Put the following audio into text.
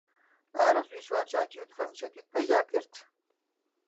ئارەزووی سوارچاکی و تفەنگچێتی پەیدا کرد